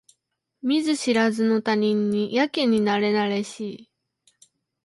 見ず知らずの他人にやけになれなれしい